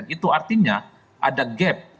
itu artinya ada gap